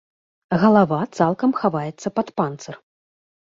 Галава цалкам хаваецца пад панцыр.